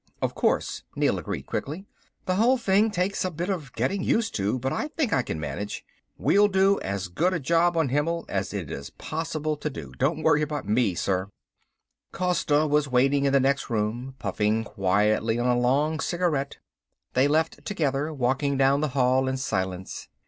"Of course," Neel agreed quickly. "The whole thing takes a bit of getting used to, but I think I can manage. We'll do as good a job on Himmel as it is possible to do. Don't worry about me, sir." Costa was waiting in the next room, puffing quietly on a long cigarette. They left together, walking down the hall in silence.